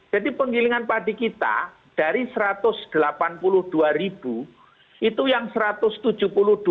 jadi penggilingan padi kita dari rp satu ratus delapan puluh dua itu yang rp satu ratus tujuh puluh dua adalah rp satu ratus lima puluh dua